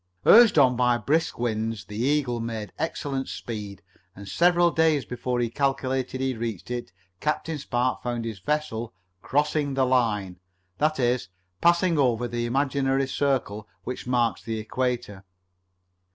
Urged on by brisk winds the Eagle made excellent speed, and several days before he calculated he would reach it Captain Spark found his vessel "crossing the line"; that is, passing over the imaginary circle which marks the equator.